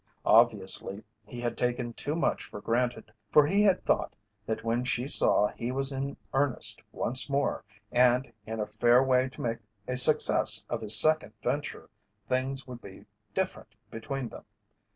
Obviously he had taken too much for granted, for he had thought that when she saw he was in earnest once more and in a fair way to make a success of his second venture, things would be different between them.